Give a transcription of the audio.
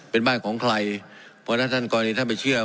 เป็นบ้านของใครเพราะท่านท่านก่อนนี้ท่านไปเชื่อ